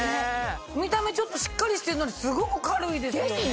見た目しっかりしてんのにすごく軽いですよね。